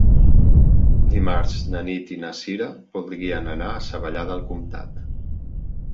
Dimarts na Nit i na Cira voldrien anar a Savallà del Comtat.